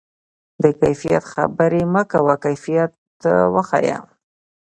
د کیفیت خبرې مه کوه، کیفیت وښیه.